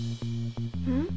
うん？